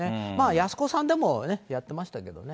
やすこさんでもやってましたけどね。